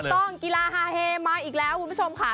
ต้องกีฬาฮาเฮมาอีกแล้วคุณผู้ชมค่ะ